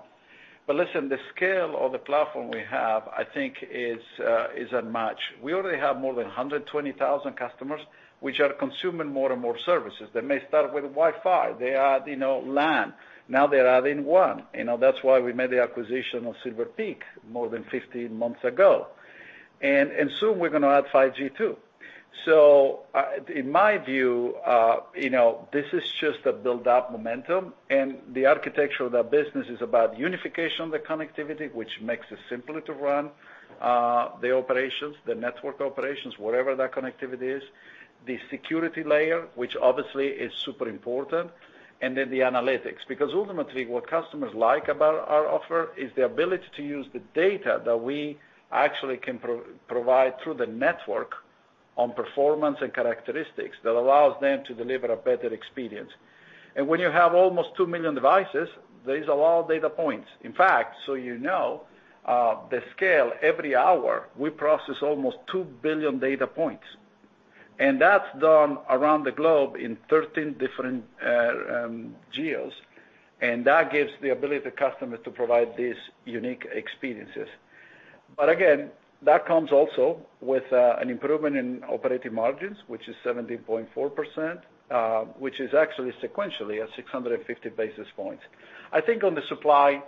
Listen, the scale of the platform we have, I think, is a match. We already have more than 120,000 customers which are consuming more and more services. They may start with Wi-Fi. They add, you know, LAN. Now they're adding WAN. You know, that's why we made the acquisition of Silver Peak more than 15 months ago. Soon we're gonna add 5G too. In my view, you know, this is just a build up momentum and the architecture of that business is about unification of the connectivity, which makes it simpler to run the operations, the network operations, whatever that connectivity is. The security layer, which obviously is super important, and then the analytics. Because ultimately, what customers like about our offer is the ability to use the data that we actually can provide through the network on performance and characteristics that allows them to deliver a better experience. When you have almost 2 million devices, these are all data points. In fact, you know, the scale every hour, we process almost 2 billion data points. That's done around the globe in 13 different geos, and that gives the ability to customers to provide these unique experiences. Again, that comes also with an improvement in operating margins, which is 70.4%, which is actually sequentially at 650 basis points. I think on the supply,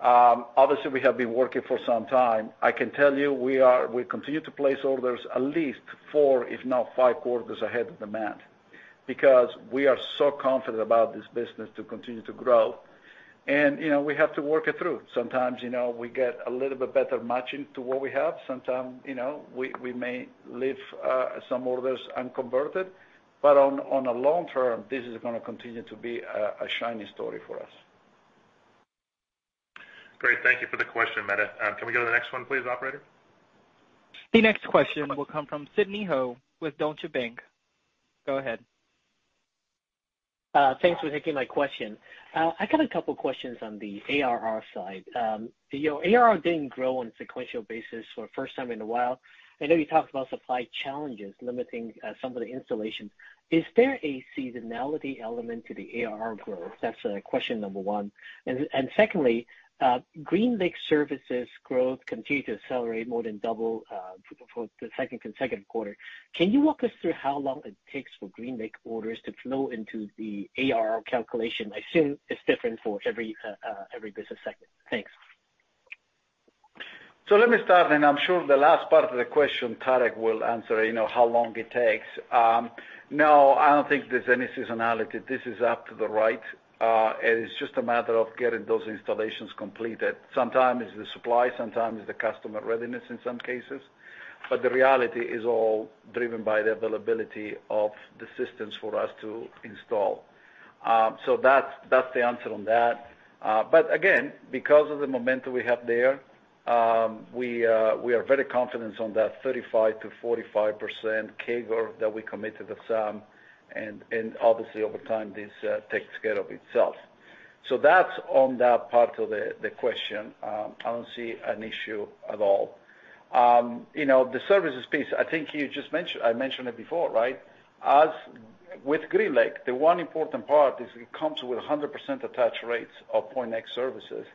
obviously we have been working for some time. I can tell you, we continue to place orders at least four, if not five quarters ahead of demand, because we are so confident about this business to continue to grow, and, you know, we have to work it through. Sometimes, you know, we get a little bit better matching to what we have. Sometimes, you know, we may leave some orders unconverted. On the long term, this is gonna continue to be a shiny story for us. Great. Thank you for the question, Meta. Can we go to the next one, please, operator? The next question will come from Sidney Ho with Deutsche Bank. Go ahead. Thanks for taking my question. I got a couple of questions on the ARR side. You know, ARR didn't grow on sequential basis for the first time in a while. I know you talked about supply challenges limiting some of the installations. Is there a seasonality element to the ARR growth? That's question number one. Secondly, GreenLake services growth continued to accelerate more than double for the second consecutive quarter. Can you walk us through how long it takes for GreenLake orders to flow into the ARR calculation? I assume it's different for every business segment. Thanks. Let me start, and I'm sure the last part of the question, Tarek will answer, you know, how long it takes. No, I don't think there's any seasonality. This is up to the right. It's just a matter of getting those installations completed. Sometimes it's the supply, sometimes it's the customer readiness in some cases. The reality is all driven by the availability of the systems for us to install. That's the answer on that. Again, because of the momentum we have there, we are very confident on that 35%-45% CAGR that we committed, and obviously over time, this takes care of itself. That's on that part of the question. I don't see an issue at all. You know, the services piece, I think you just mentioned. I mentioned it before, right? As with GreenLake, the one important part is it comes with a 100% attach rates of Pointnext services.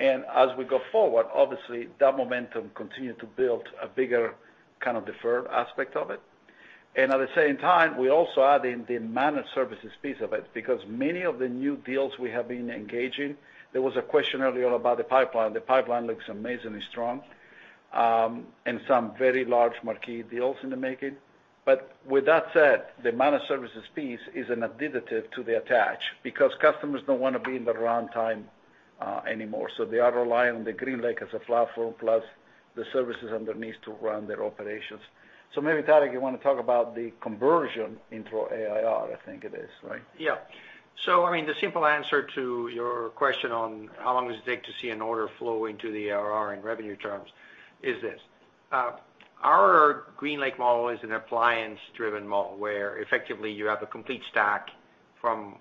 As we go forward, obviously that momentum continue to build a bigger kind of deferred aspect of it. At the same time, we also add in the managed services piece of it because many of the new deals we have been engaging, there was a question earlier about the pipeline. The pipeline looks amazingly strong, and some very large marquee deals in the making. With that said, the managed services piece is an additive to the attach because customers don't wanna be in the runtime anymore. They are relying on the GreenLake as a platform plus the services underneath to run their operations. Maybe, Tarek, you wanna talk about the conversion into ARR, I think it is, right? Yeah. I mean, the simple answer to your question on how long does it take to see an order flow into the ARR in revenue terms is this: Our GreenLake model is an appliance-driven model where effectively you have a complete stack from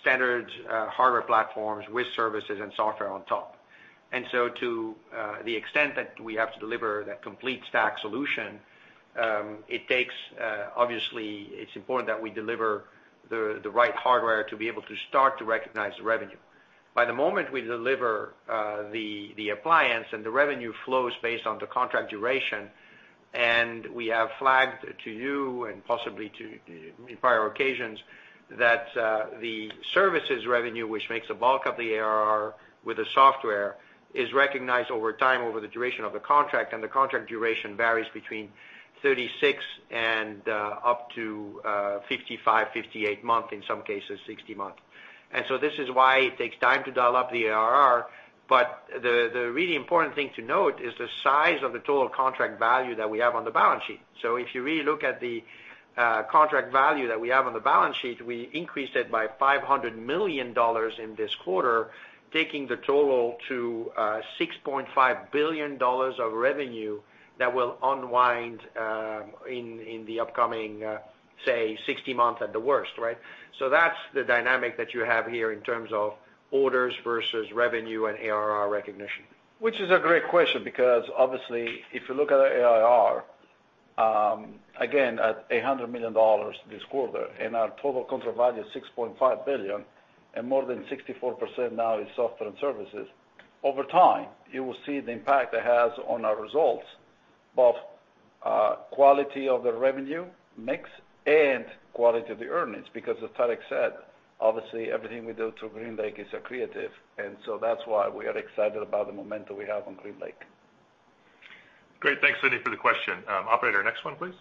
standard hardware platforms with services and software on top. To the extent that we have to deliver that complete stack solution, it takes, obviously, it's important that we deliver the right hardware to be able to start to recognize the revenue. By the time we deliver the appliance and the revenue flows based on the contract duration, and we have flagged to you and possibly to in prior occasions that the services revenue, which makes the bulk of the ARR with the software, is recognized over time over the duration of the contract, and the contract duration varies between 36 and up to 55, 58 months, in some cases 60 months. This is why it takes time to dial up the ARR. But the really important thing to note is the size of the total contract value that we have on the balance sheet. If you really look at the contract value that we have on the balance sheet, we increased it by $500 million in this quarter, taking the total to $6.5 billion of revenue that will unwind in the upcoming, say, 60 months at the worst, right? That's the dynamic that you have here in terms of orders versus revenue and ARR recognition. Which is a great question because obviously, if you look at our ARR, again, at $800 million this quarter and our total contract value is $6.5 billion and more than 64% now is software and services. Over time, you will see the impact it has on our results. Quality of the revenue mix and quality of the earnings, because as Tarek said, obviously everything we do through GreenLake is accretive, and so that's why we are excited about the momentum we have on GreenLake. Great. Thanks, Sidney, for the question. Operator, next one, please.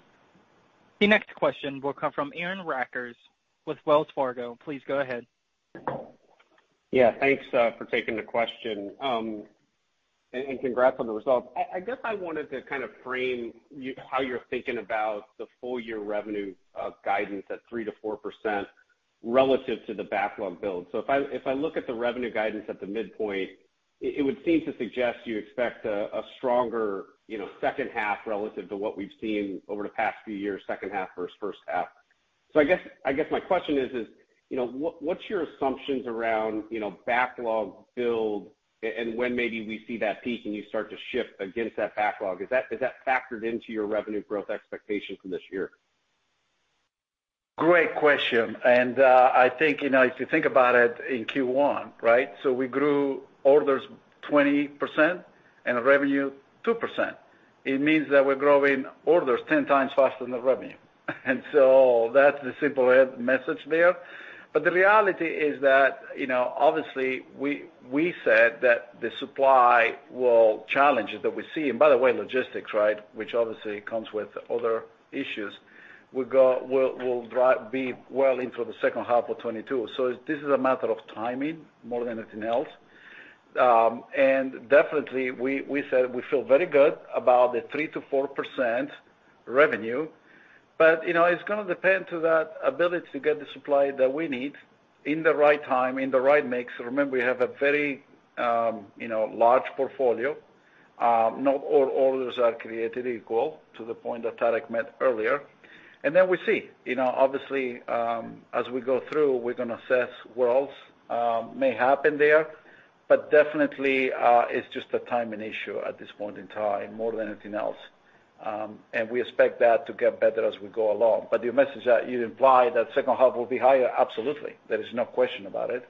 The next question will come from Aaron Rakers with Wells Fargo. Please go ahead. Yeah. Thanks for taking the question. Congrats on the results. I guess I wanted to kind of frame how you're thinking about the full year revenue guidance at 3%-4% relative to the backlog build. If I look at the revenue guidance at the midpoint, it would seem to suggest you expect a stronger, you know, second half relative to what we've seen over the past few years, second half versus first half. I guess my question is, you know, what's your assumptions around, you know, backlog build and when maybe we see that peak and you start to shift against that backlog? Is that factored into your revenue growth expectations for this year? Great question. I think, you know, if you think about it in Q1, right? We grew orders 20% and revenue 2%. It means that we're growing orders 10 times faster than the revenue. That's the simple message there. The reality is that, you know, obviously we said that the supply chain challenges that we see, and by the way, logistics, right, which obviously comes with other issues, will be well into the second half of 2022. This is a matter of timing more than anything else. Definitely we said we feel very good about the 3%-4% revenue, but, you know, it's gonna depend on that ability to get the supply that we need in the right time, in the right mix. Remember, we have a very, you know, large portfolio. Not all orders are created equal to the point that Tarek made earlier. We see, you know, obviously, as we go through, we're gonna assess what else may happen there. Definitely, it's just a timing issue at this point in time more than anything else. We expect that to get better as we go along. Your message that you imply that second half will be higher, absolutely. There is no question about it.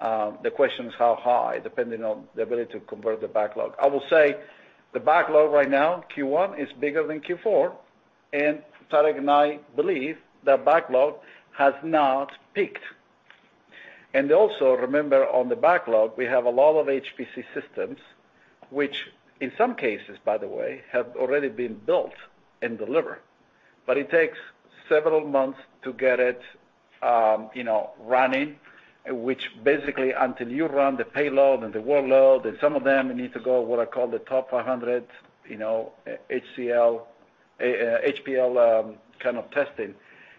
The question is how high, depending on the ability to convert the backlog. I will say the backlog right now, Q1, is bigger than Q4, and Tarek and I believe that backlog has not peaked. Also remember, on the backlog, we have a lot of HPC systems, which in some cases, by the way, have already been built and delivered. It takes several months to get it, you know, running, which basically, until you run the payload and the workload, and some of them need to go what I call the top 500, you know, HPL kind of testing,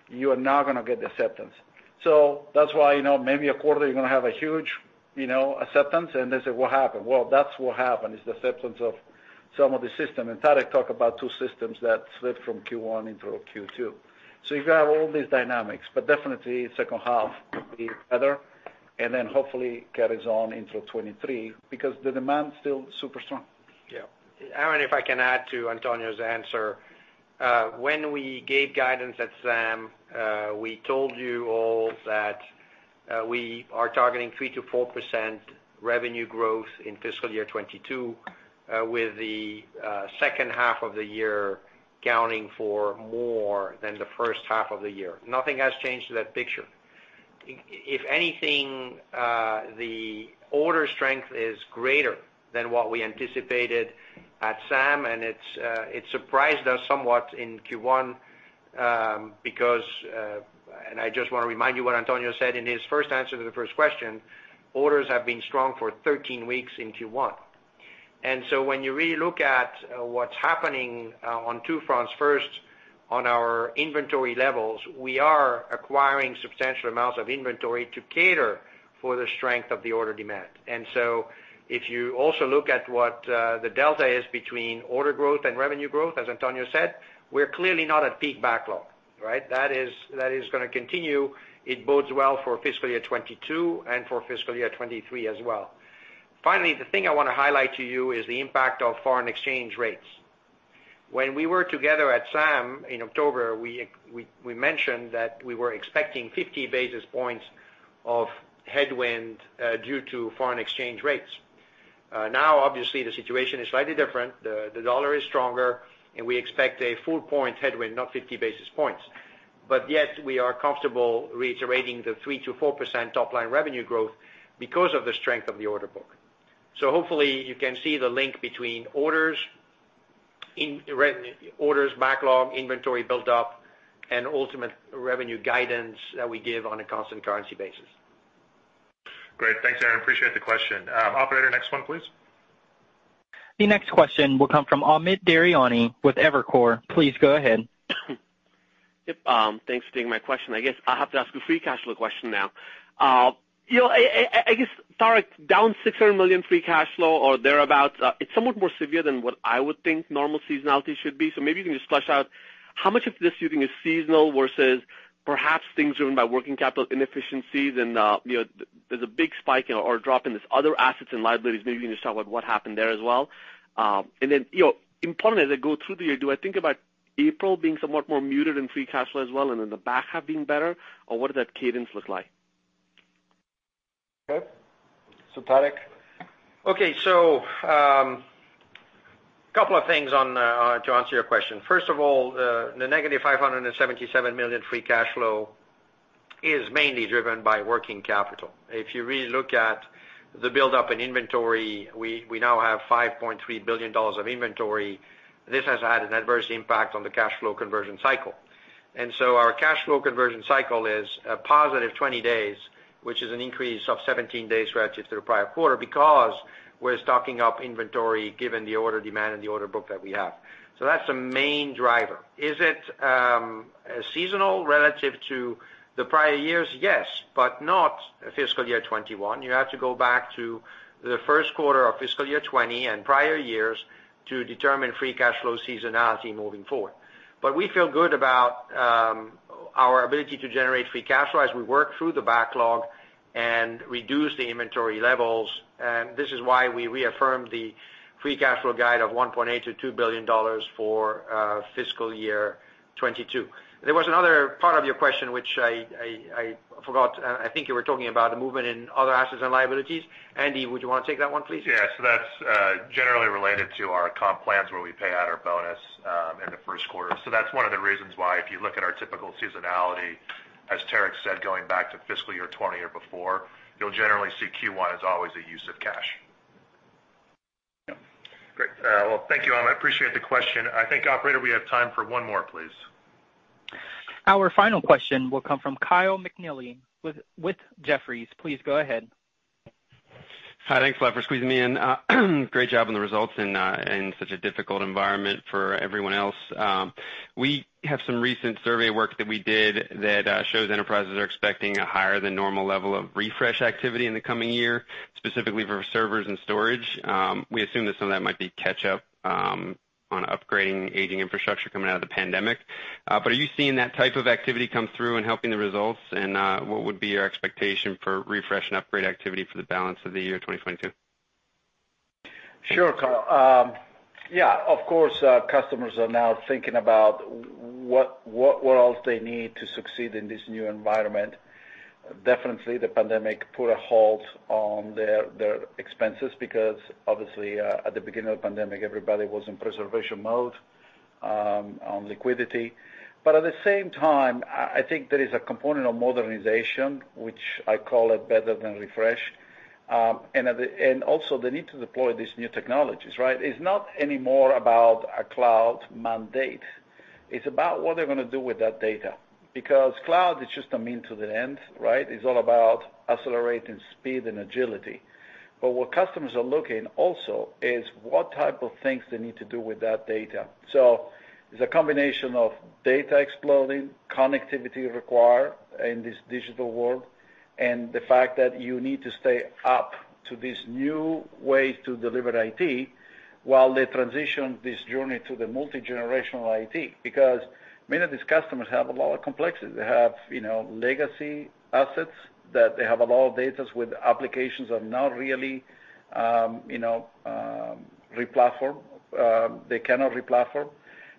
you are not gonna get the acceptance. That's why, you know, maybe a quarter you're gonna have a huge, you know, acceptance and they say, "What happened?" Well, that's what happened is the acceptance of some of the system. Tarek talked about two systems that slipped from Q1 into Q2. You've got all these dynamics, but definitely second half will be better and then hopefully carries on into 2023 because the demand's still super strong. Yeah. Aaron, if I can add to Antonio's answer. When we gave guidance at SAM, we told you all that we are targeting 3%-4% revenue growth in fiscal year 2022, with the second half of the year accounting for more than the first half of the year. Nothing has changed to that picture. If anything, the order strength is greater than what we anticipated at SAM, and it's it surprised us somewhat in Q1, because and I just wanna remind you what Antonio said in his first answer to the first question, orders have been strong for 13 weeks in Q1. When you really look at what's happening on two fronts, first, on our inventory levels, we are acquiring substantial amounts of inventory to cater for the strength of the order demand. If you also look at what the delta is between order growth and revenue growth, as Antonio said, we're clearly not at peak backlog, right? That is gonna continue. It bodes well for fiscal year 2022 and for fiscal year 2023 as well. Finally, the thing I wanna highlight to you is the impact of foreign exchange rates. When we were together at SAM in October, we mentioned that we were expecting 50 basis points of headwind due to foreign exchange rates. Now, obviously, the situation is slightly different. The dollar is stronger, and we expect a full point headwind, not 50 basis points. Yet, we are comfortable reiterating the 3%-4% top line revenue growth because of the strength of the order book. Hopefully, you can see the link between orders backlog, inventory buildup, and ultimate revenue guidance that we give on a constant currency basis. Great. Thanks, Aaron. Appreciate the question. Operator, next one, please. The next question will come from Amit Daryanani with Evercore. Please go ahead. Yep. Thanks for taking my question. I guess I have to ask a free cash flow question now. You know, I guess, Tarek, down $600 million free cash flow or thereabout, it's somewhat more severe than what I would think normal seasonality should be. Maybe you can just flesh out how much of this do you think is seasonal versus perhaps things driven by working capital inefficiencies and, you know, there's a big spike in or drop in these other assets and liabilities. Maybe you can just talk about what happened there as well. You know, importantly, as I go through the year, do I think about April being somewhat more muted in free cash flow as well, and then the back half being better? Or what does that cadence look like? Tarek? Okay. Couple of things on to answer your question. First of all, the negative $577 million free cash flow is mainly driven by working capital. If you really look at the buildup in inventory, we now have $5.3 billion of inventory. This has had an adverse impact on the cash flow conversion cycle. Our cash flow conversion cycle is a +20 days, which is an increase of 17 days relative to the prior quarter because we're stocking up inventory given the order demand and the order book that we have. That's the main driver. Is it seasonal relative to the prior years? Yes, but not fiscal year 2021. You have to go back to the first quarter of fiscal year 2020 and prior years to determine free cash flow seasonality moving forward. We feel good about our ability to generate free cash flow as we work through the backlog and reduce the inventory levels. This is why we reaffirmed the free cash flow guide of $1.8 billion-$2 billion for fiscal year 2022. There was another part of your question, which I forgot. I think you were talking about the movement in other assets and liabilities. Andy, would you wanna take that one, please? Yeah. That's generally related to our comp plans where we pay out our bonus in the first quarter. That's one of the reasons why if you look at our typical seasonality, as Tarek said, going back to fiscal year 2020 or before, you'll generally see Q1 as always a use of cash. Yeah. Great. Well, thank you. I appreciate the question. I think, operator, we have time for one more, please. Our final question will come from Kyle McNealy with Jefferies. Please go ahead. Hi. Thanks a lot for squeezing me in. Great job on the results in such a difficult environment for everyone else. We have some recent survey work that we did that shows enterprises are expecting a higher than normal level of refresh activity in the coming year, specifically for servers and storage. We assume that some of that might be catch-up on upgrading aging infrastructure coming out of the pandemic. But are you seeing that type of activity come through in helping the results? What would be your expectation for refresh and upgrade activity for the balance of the year 2022? Sure, Kyle. Yeah, of course, customers are now thinking about what worlds they need to succeed in this new environment. Definitely, the pandemic put a halt on their expenses because obviously, at the beginning of the pandemic, everybody was in preservation mode on liquidity. At the same time, I think there is a component of modernization, which I call it better than refresh. Also, the need to deploy these new technologies, right? It's not anymore about a cloud mandate. It's about what they're gonna do with that data. Because cloud is just a means to the end, right? It's all about accelerating speed and agility. What customers are looking also is what type of things they need to do with that data. It's a combination of data exploding, connectivity required in this digital world, and the fact that you need to stay up to these new ways to deliver IT while they transition this journey to the multigenerational IT. Because many of these customers have a lot of complexity. They have, you know, legacy assets that they have a lot of data with applications that are not really, you know, replatform. They cannot replatform.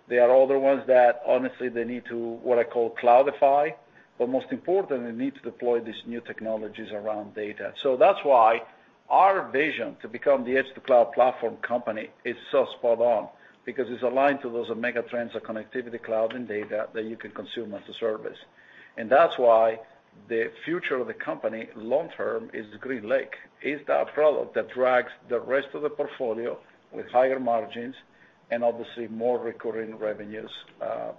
There are other ones that honestly they need to, what I call cloudify, but most importantly, need to deploy these new technologies around data. That's why our vision to become the edge to cloud platform company is so spot on because it's aligned to those mega trends of connectivity, cloud, and data that you can consume as a service. That's why the future of the company long term is GreenLake. It's that product that drives the rest of the portfolio with higher margins and obviously more recurring revenues,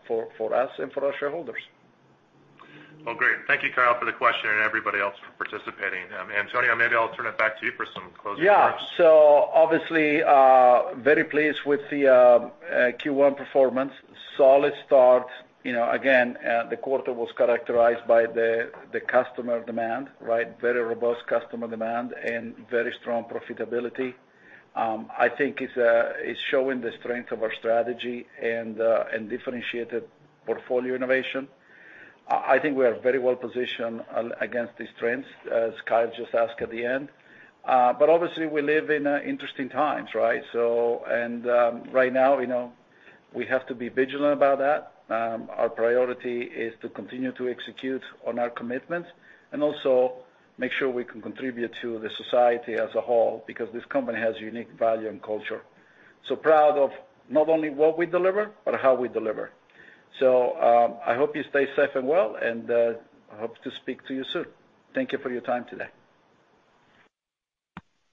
for us and for our shareholders. Well, great. Thank you, Kyle, for the question and everybody else for participating. Antonio, maybe I'll turn it back to you for some closing remarks. Yeah. So obviously, very pleased with the Q1 performance. Solid start. You know, again, the quarter was characterized by the customer demand, right? Very robust customer demand and very strong profitability. I think it's showing the strength of our strategy and differentiated portfolio innovation. I think we are very well positioned against these trends, as Kyle just asked at the end. Obviously, we live in interesting times, right? Right now, you know, we have to be vigilant about that. Our priority is to continue to execute on our commitments and also make sure we can contribute to society as a whole because this company has unique value and culture. Proud of not only what we deliver, but how we deliver. I hope you stay safe and well, and I hope to speak to you soon. Thank you for your time today.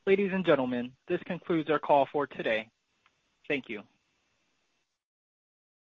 Ladies and gentlemen, this concludes our call for today. Thank you.